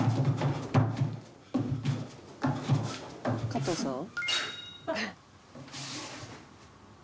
「加藤さん？」